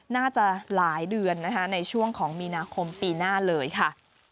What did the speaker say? น่าจะหลายเดือนนะคะในช่วงของมีนาคมปีหน้าเลยค่ะ